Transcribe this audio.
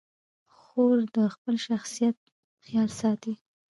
خور د خپل شخصیت خیال ساتي.